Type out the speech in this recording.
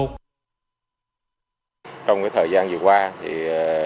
trong thời gian vừa qua